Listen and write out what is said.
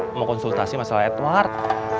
masalah konsultasi masalah edward